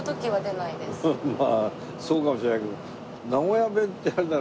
まあそうかもしれないけど。